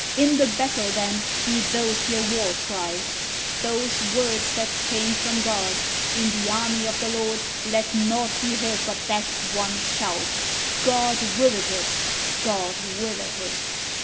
In the battle, then, be those your war cry, those words that came from God; in the army of the Lord let naught be heard but that one shout, ' God willeth it ! God willeth it